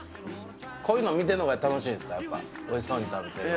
こういうの見てるのが楽しいんですか、やっぱり、おいしそうに食べてるのが。